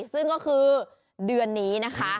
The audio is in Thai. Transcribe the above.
ซึ่งก็คือเดือนนี้นะคะ